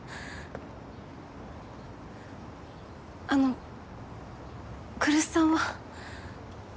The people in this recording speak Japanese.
あの来栖さんは。